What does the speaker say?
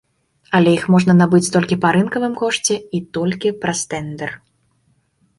Але іх можна набыць толькі па рынкавым кошце і толькі праз тэндэр.